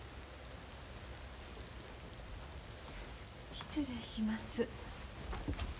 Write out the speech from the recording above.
失礼します。